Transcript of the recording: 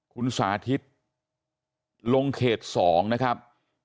คุณสาธิตลงเขต๒นะครับ